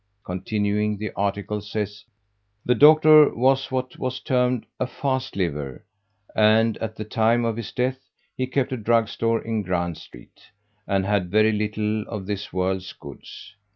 Continuing, the articles says: "The Doctor was what was termed a 'fast liver,' and at the time of his death he kept a drug store in Grand Street, and had very little of this world's goods.